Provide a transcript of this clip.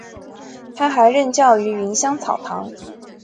他还曾任教于芸香草堂。